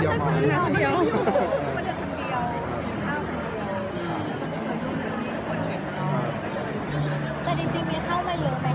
แต่ว่าไม่ดรับแต่เหลือคระน่าคุยกันก็ไม่มีเชื่อ